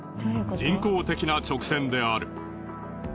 人工的な直線である。